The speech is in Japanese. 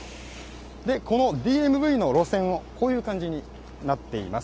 このＤＭＶの路線はこういう感じになっています。